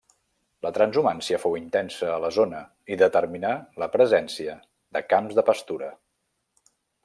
La transhumància fou intensa a la zona i determinà la presència de camps de pastura.